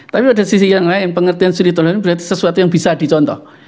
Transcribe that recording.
tapi pada sisi yang lain pengertian suri tol ini berarti sesuatu yang bisa dicontoh